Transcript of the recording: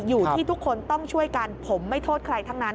อยู่ที่ทุกคนต้องช่วยกันผมไม่โทษใครทั้งนั้น